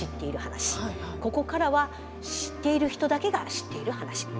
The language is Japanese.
ここからは知っている人だけが知っている話。